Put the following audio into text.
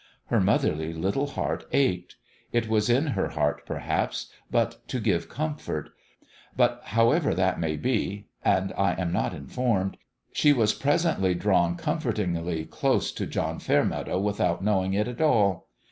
Her motherly little heart ached : it was in her heart, perhaps, but to give comfort ; but however that may be and I am not informed she was presently drawn comfortingly close to John Fairmeadow without knowing it at all.